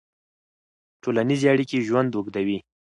ټولنیزې اړیکې ژوند اوږدوي.